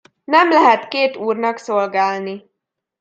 Nem lehet két úrnak szolgálni.